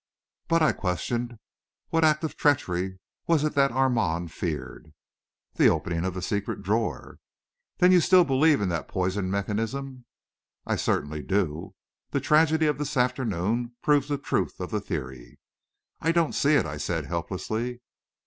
"But," I questioned, "what act of treachery was it that Armand feared?" "The opening of the secret drawer." "Then you still believe in the poisoned mechanism?" "I certainly do. The tragedy of this afternoon proves the truth of the theory." "I don't see it," I said, helplessly.